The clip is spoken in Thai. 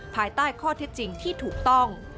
ภายใต้ข้อเท็จจริงที่ถูกต้อง